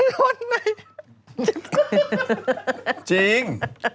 แล้วก็รถหน่อย